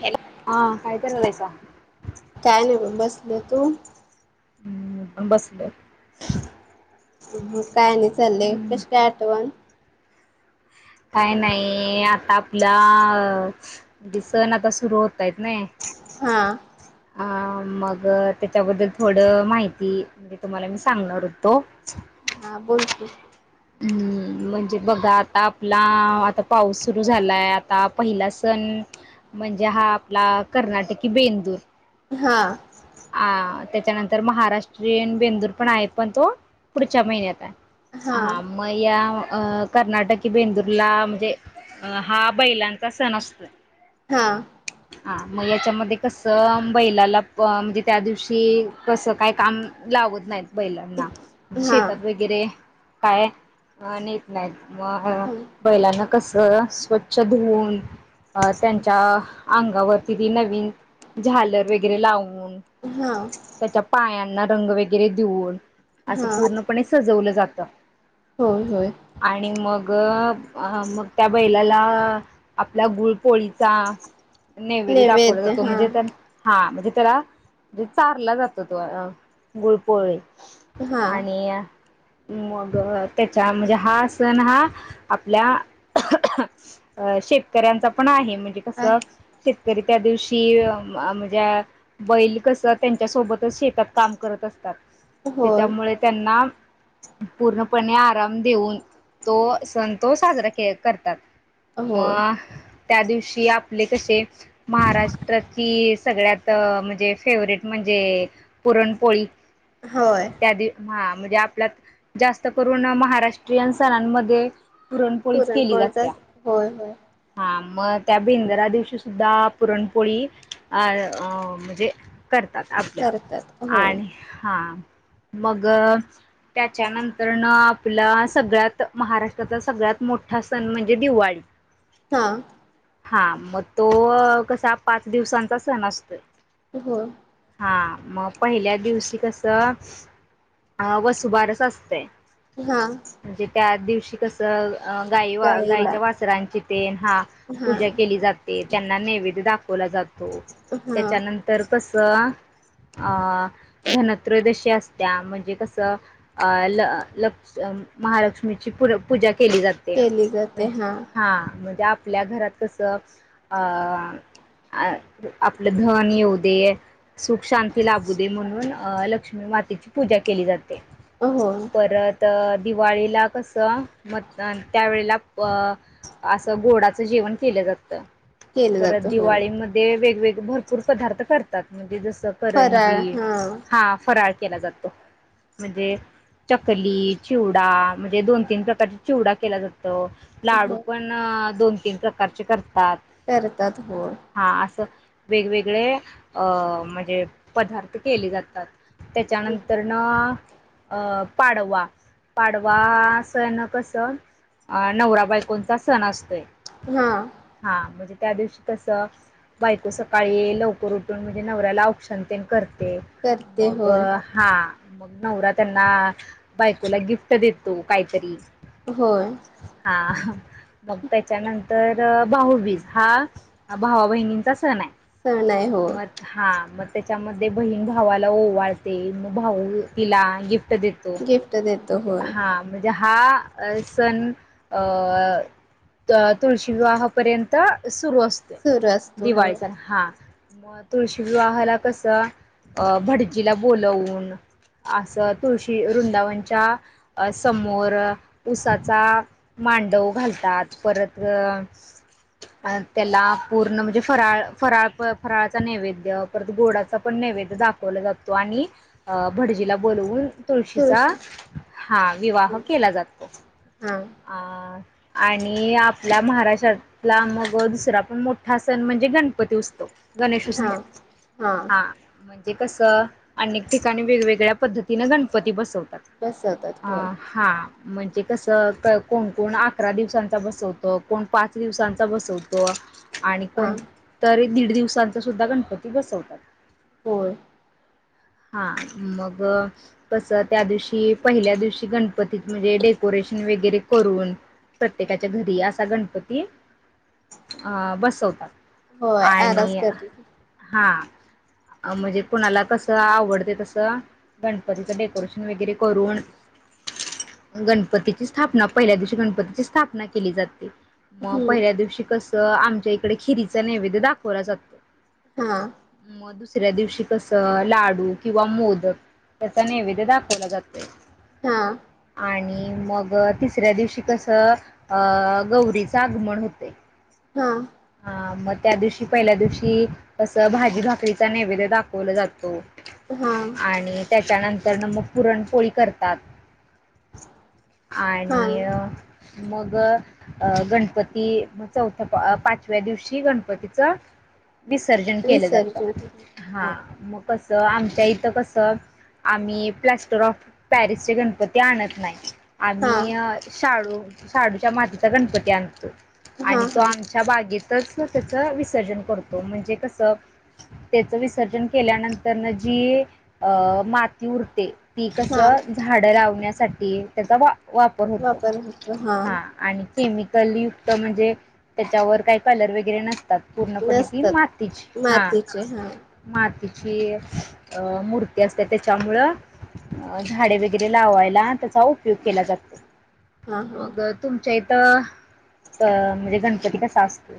Hello आ [inaudible] काय करालायसा काय नाही बघ बसलोय तू हम्म मी पण बसलेय [inaudible] हं-हं [inaudible] काय नाही चाललेय कशी काय आठवण काय नाही.. आता आपला.. [inaudible] म्हणजे सण आता सुरू होतायत नाय हा.. हा मग त्याच्याबद्दल थोडं माहिती -म्हणजे तुम्हाला मी सांगणार होतो हा बोल की हम्म म्हणजे बघा आता आपला आता पाऊस सुरू झालाय आता पहिला सण म्हणजे हा आपला कर्नाटकी बेंदूर हा आ त्याच्यानंतर महाराष्ट्रीयन बेंदूर पण आहे पण तो पुढच्या महिन्यात आहे हा म या अ कर्नाटकी बेंदूरला म्हणजे अ हा बैलांचा सण असतोय हा हा मग [inaudible] याच्यामध्ये कसं बैलाला प-म्हणजे त्या दिवशी कसं काय काम- लावत नाहीत बैलांना म्हणजे हा शेतात हा वगैरे काय नेत नाहीत म बैलांना [unintelligible] कस स्वच्छ धुऊन अ त्यांच्या अंगावरती ती नवीन झालर वगैरे लावून त्याच्या पायांना रंग वगैरे देऊन असं हा पूर्णपणे सजवलं जातं होय होय आणि मग मग त्या बैलाला आपल्या गुळ पोळीचा नैवेद दाखवला नैवेद्य जातो हा म्हणजे हा म्हणजे त्याला चांगला जातो गुळपोळी हा आणि मग त्याचा म्हणजे हा सण हा आपल्या अ शेतकऱ्यांचा पण आहे [unintelligible] म्हजे कस आहे शेतकरी त्या दिवशी म्हणजे बैल कस त्यांच्या सोबत शेतात काम करत असतात होय त्याच्यामुळे त्यांना पूर्णपणे आराम देऊन तो त्यादिवशी आपले कसे होय पण त्या दिवशी आपले कसे महाराष्ट्रात ती सगळ्यात म्हणजे फेवरेट म्हणजे पुरणपोळी होय त्या [unintelligible] म्हणजे आपल्यात जास्त करून महाराष्ट्रीयन सणांमध्ये पुरणपोळीच केली जात पुरणपोळीचा त्या होय होय हा मग त्या भिंदरा दिवशी सुद्धा पुरणपोळी म्हणजे करतात आपलं करतात होय आणि हा मग त्याच्यानंतरन आपला सगळ्यात महाराष्ट्रात सगळ्यात मोठा सण म्हणजे दिवाळी हा हा मग तो कसा पाच दिवसांचा सण असतोय होय हा मग पहिल्या दिवशी कस अ वसुबारच असतंय हा म्हणजे त्या दिवशी कसं अ गाई गाईला गाईच्या वासरांची ते हा हा पूजा केली जाते त्यांना नैवेद्य दाखव ला जातो हा त्याच्यानंतर कसं अ धनत्रयदशी असत्या म्हणजे कसं अ ल [unintelligible] लक्ष महालक्ष्मीची पूजा केली जाते केली जाते हा आपल्या घरात कस अ आपलं धन येऊनं दे सुख शांती लाभू दे म्हणून अ लक्ष्मी मातेची पूजा केली जाते होय परत [unintelligible] दिवाळीला कसं म त्यावेेळेला अ असं गोडाचं जेवण केलं जातं केलं परत जातं होय दिवाळीमध्ये वेगवेगळे भरपूर पदार्थ करतात म्हणजे जस फराळ करंजी हा हा फराळ केला जातो म्हणजे चकली चिवडा म्हणजे दोन तीन प्रकारचा चिवडा केला जातो लाडू हो पण दोन तीन प्रकारचे करता करतात होय. हा असं वेगवेगळे अं म्हणजे पदार्थ केले जातात त्याच्यानंतर न अं पाडवा पाडवा असन कस अ नवरा बायकोंचा सण असतोय हा हा म्हणजे त्या दिवशी तस बायको सकाळी लवकर उठते म्हणजे नवऱ्याला औपशन तेन करते करते मग होय. हा [unintelligible] मग नवरा त्यांना बायकोला गिफ्ट देतो काहीतरी होय हा मग त्याच्यानंत तर भाऊबीज हा भावा बहिणींचा सण आहे सण आहे होय. मद हा मद त्याच्यामध्ये बहीण भावाला ओवाळते मग भाऊ तिला गिफ्ट देतो गिफ्ट देतो म्हणजे होय. हा म्हणजे हा अ सण अ-अ अ तुळशी विवाहपर्यंत सुरू असतोय सुरू असतो होय. दिवाळीचा हा मग तुळशी विवाहाला कसं अ भटजीला बोलवून असं तुळशी वृंदावनच्या समोर उसाचा मांडव घालतात परत अ-अ अ त्याला पूर्ण म्हणजे फराळ फराळ फराळाचा नैवेद्य परत गोडाचा पण नैवेद्य दाखवला जातो आणि भटजीला बोलवून तुळशीचा तुळशी हा विवाह केला जातो. हा आ-आ आणि आपल्या महाराष्ट्रातला मग दुसरा पण मोठा सण म्हणजे गणपती उसतो हा गणेशोत्सव हा म्हज म्हणे कसं अनेक ठिकाणी वेगवेगळ्या पद्धतीन गणपती बसवत बसवतात अ होय. हा म्हणजे कसं कोण कोण अकरा दिवसांचा बसवतो कोण पाच दिवसांचा बसवतो आणि हा कोणतरी दीड दिवसांचा सुद्धा गणपती बसवतात. होयं हा मग कस त्या दिवशी पहिल्या दिवशी गणपती म्हणजे डेकोरेशन वगैरे करून प्रत्येकाच्या घरी असा गणपती अ बसवतात. होय या आणि ब्यास्त्यातुन हा म्हणजे कुणाला कसं आवडते तसं गणपतीचं डेकोरेशन वगैरे करून [inaudible] गणपतीची स्थापना पहिल्या दिवशी गणपतीची स्थापना केली जाते. मग हम्म पहिल्या दिवशी कसं आमच्या इकडे खिरीच नैवेद्य दाखवला जातो. हा आ मग दुसऱ्या दिवशी कसं लाडू किंवा मोदक नैवेद दाखवला जातोय हा आणि मग तिसऱ्या दिवशी कसं अ गौरीचं आगमन होतंय हा हा मग त्या दिवशी पहिल्या दिवशी की कस भाजी भाकरीचा नैवेद्य दाखवलं जातो. हा आ आणि त्याच्यानंतर न मग पुरणपोळी करतात. हा आणि अ मग अ-अ गणपती मग चौथ्या पाचव्या दिवशी गणपतीच विसर्जन केलं विसर्जन जातं हा मग कसं आमच्या इथं कस आम्ही प्लस्टर ऑफ पॅरिस चे गणपती आणत नाही. हा आम्ही शाडू शाडूच्या मातीचा गणपती आणतो. हा आणि तो हा आमच्या बागेतच त्याच विसर्जन करतो. म्हणजे कस त्याच विसर्जन केल्यानंतर जी माती उरते ती कस हा झाड लावण्यासाठी त्याचा वा वापर होतो हा आणि केमिकल युक्त म्हणजे त्याच्यावर काही कलर वगैरे नसतात. प ती नसतात मातीची हा मातीचे हा माती ची अ मूर्ती असते त्याच्यामुळं अ झाडे वगैरे लावायला त्याचा उपयोग केला जातो. हा हा मग तुमच्या इथं अ म्हणजे गणपती कसा असतो.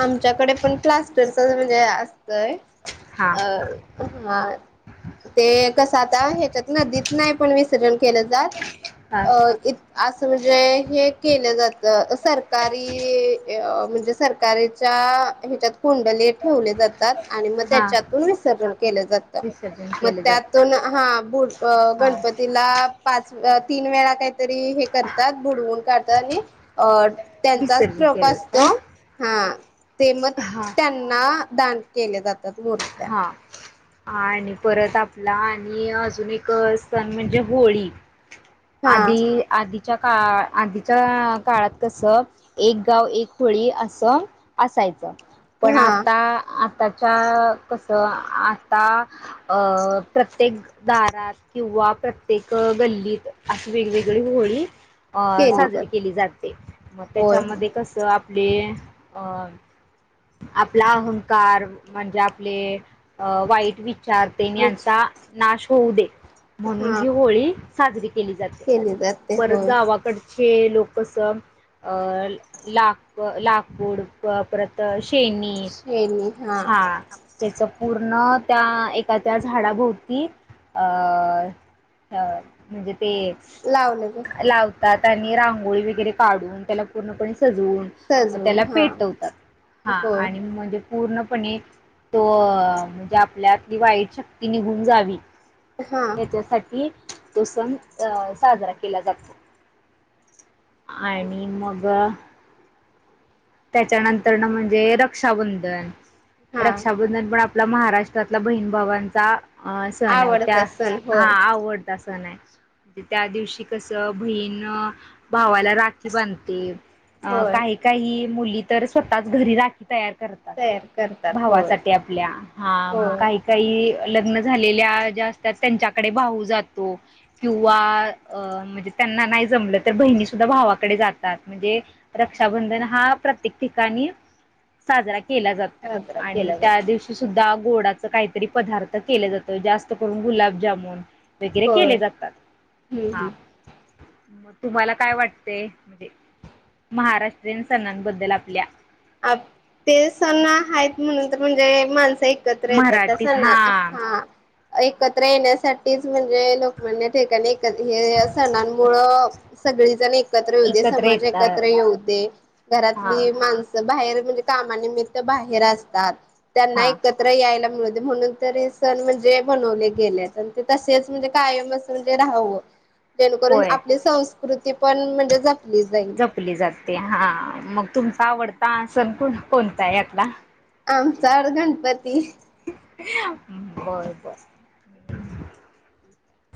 आमच्याकडे पण प्लास्टरच म्हणजे अस तर हा अ [unintelligible] ते कसं आता ह्यच्यात नदीत नाही पण विसर्जन केलं जात हा अ असं म्हणजे हे केलं जातं सरकारी म्हणजे सरकारच्या ह्यच्यात कुंडले ठेवले जातात आणि मग हा त्याच्यातून विसर्जन केलं जातं विसर्जन मग केलं जातं. त्यातून हा भु हा गणपतीला पाच तीन वेळा काही काहीतरी हे करतात बुडवून काढतात आणि अ त्यांचा विसर्जन ट्रक केलं काय? असतो हा ते मग हा. त्यांना दान केले जातात मूर्त्या हा आणि परत आपला आणि अजून एक सण म्हणजे होळी हा आधी आधी आधी आधीच्या काळात कसं एक गाव एक होळी असं असायचं पण हा आता आता कस आता अ प्रत्येक दारात किंवा प्रत्येक गल्लीत अशी वेगवेगळी होळी अ साजरी केली जाते मग होय होय त्याच्यामध्ये कसं आपले अ आपला अहंकार म्हणजे आपले अ वाईट विचार विचार तेन विच यांचा नाश होऊ दे म्हणून हा ही होळी साजरी केली जाते केली जाते परत होय गावाकड हे लोकस अ लाक लाकूड परत श हा त्याच पूर्ण त्या एखाद्या झाडाभोवती अ ह म्हणजे ते लावलं ग लावतात आणि रांगोळी वगैरे काढून त्याला पूर्णपणे सजवून सजवून त्याला हा पेटवतात हा होय आणि म्हणजे पूर्णपणे तो म्हणजे आपल्यातली वाईट शक्ती निघून जावी हा त्याच्यासाठी तो सण अ साजरा केला जातो आणि मग त्याच्यानंतर ना म्हणजे रक्षाबंधन हा रक्षाबंधन पण आपला महाराष्ट्रातला बहीण भावांचा सण आहे आवडता त्या सण हा होय आवडता सण सन आहे त्या दिवशी कस बहीण भावाला राखी बांधते अ होय काही काही मुली तर स्वतःच घरी राखी तयार करतात तयार करतात होय भावासाठी आपल्या हा मग होय काही काही लग्न झालेल्या ज्या असतात त्यांच्याकडे भाऊ जातो किंवा म्हणजे त्यांना नाही जमलं तर बहिणी सुद्धा भावाकडे जातात म्हणजे रक्षाबंधन हा प्रत्येक ठिकाणी साजरा केला जातो साजरा आणि केला त्या जातो दिवशी सुद्धा गोडाच काहीतरी पदार्थ केले जात जास्त करून गुलाबजामुन वगैरे होय केले जातात हम्म हा हम्म तुम्हाला काय वाटतय म्हणजे महाराष्ट्रीयन सणांबद्दल आपल्या अ ते सण आहेत म्हणून तर म्हणजे माणस एकत्र येतात मराठीच सण हा ना एकत्र येण्यासाठीच म्हणजे लोकमान्य टिळकांनी हे सणांमुळे सगळीजण एकत्र एकत्र येऊदे समाज एकत्र येऊदे हा घरातली माणस बाहेर म्हणजे कामानिमित्त बाहेर असतात त्यांना हा एकत्र यायला मिळू दे म्हणून तर हे सण म्हणजे बनवले गेले ते तसेच म्हणजे कायमच म्हणजे राहावं जेणेकरून होय आपली संस्कृती पण म्हणजे जाईल जपली जाते हा मग तुमचा आवडता सण कोणता आहे यातला आमचा हा गणपती बर बर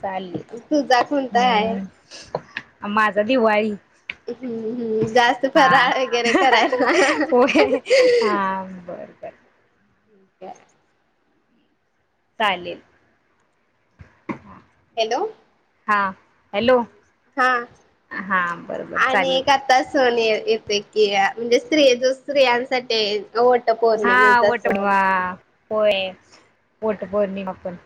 चालेल तुझा कोणता आहे? हम् माझा दिवाळी हम्म हम्म जास्त हा फराळ वगैरे करायला. हंहह होय हां वरडत्यात ठीक आहे चालेल हॅलो हां हॅलो हा हा बरोबर आणि चालेल आता सण येतेय म्हणजे स्त्रि जो स्त्रियांसाठी आहे जो हा पौर्णिमेचा सण वटपौर्णिमा होय पोर्णिमा पण सण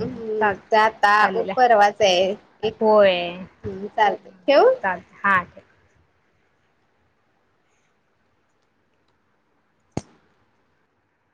हम्म चाल ते आता चालेल परवाचय होय हम् चालतंय ठेवू चाल हा ठेव